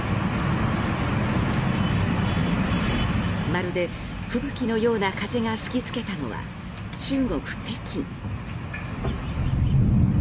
まるで吹雪のような風が吹きつけたのは中国・北京。